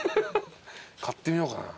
買ってみようかな。